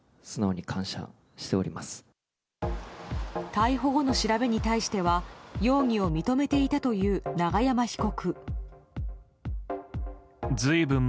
逮捕後の調べに対しては容疑を認めていたという永山被告。